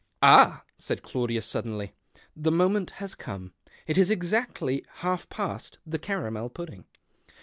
"Ah !" said Claudius suddenly, " the moment has come. It is exactly half past the caramel pudding."